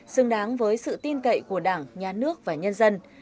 xứng đáng với sự tin cậy của đảng nhà nước và nhân dân